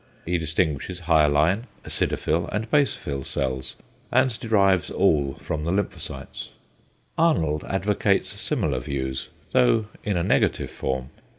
He distinguishes hyaline, acidophil and basophil cells, and derives all from the lymphocytes. Arnold advocates similar views, though in a negative form.